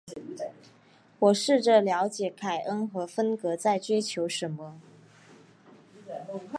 我试着了解凯恩和芬格在追求什么。